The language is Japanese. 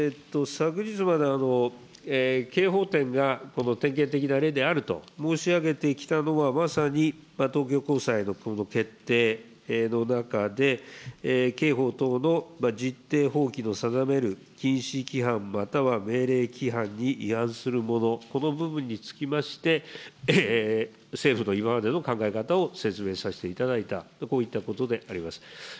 昨日まで、刑法典がこの典型的な例であると申し上げてきたのは、まさに東京高裁のこの決定の中で、刑法等の実定法規の定める禁止規範または命令規範に違反するもの、この部分につきまして、政府の今までの考え方を説明させていただいたと、こういったことであります。